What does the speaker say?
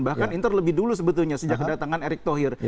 bahkan inter lebih dulu sebetulnya sejak kedatangan erick thohir